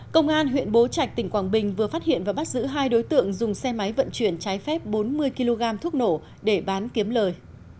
công an huyện bố trạch tỉnh quảng bình vừa phát hiện và bắt giữ hai đối tượng dùng xe máy vận chuyển trái phép bốn mươi kg thuốc nổ để bán kiếm lời